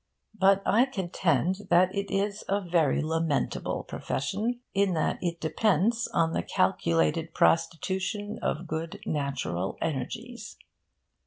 But I contend that it is a very lamentable profession, in that it depends on the calculated prostitution of good natural energies.